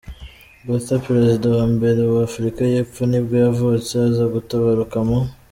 Botha, perezida wa mbere wa Afurika y’epfo nibwo yavutse, aza gutabaruka mu .